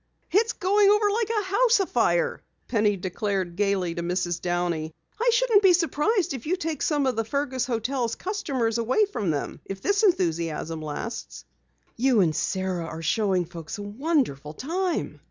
"It's going over like a house afire!" Penny declared gaily to Mrs. Downey. "I shouldn't be surprised if you take some of the Fergus hotel's customers away from them if this enthusiasm lasts." "You and Sara are showing folks a wonderful time."